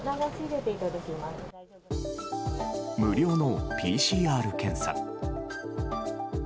無料のＰＣＲ検査。